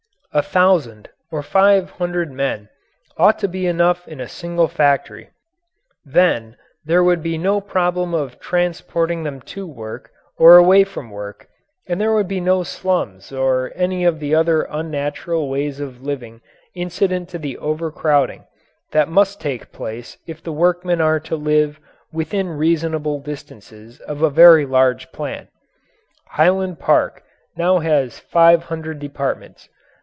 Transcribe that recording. A thousand or five hundred men ought to be enough in a single factory; then there would be no problem of transporting them to work or away from work and there would be no slums or any of the other unnatural ways of living incident to the overcrowding that must take place if the workmen are to live within reasonable distances of a very large plant. Highland Park now has five hundred departments.